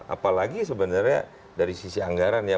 apalagi sebenarnya dari sisi anggaran ya